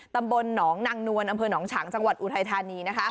ตำบลหนองนางนวลอำเภอหนองฉางจังหวัดอุทัยธานี